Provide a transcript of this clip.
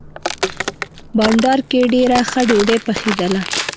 بانډار کې ډېره ښه ډوډۍ پخېدله.